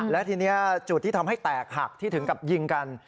และทีนี้จุดที่ทำให้แตกหักที่ถึงกับยิงกัน